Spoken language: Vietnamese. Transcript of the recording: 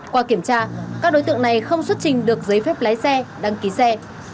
qua kiểm tra các đối tượng này không xuất trình được giấy phép lái xe đăng ký xe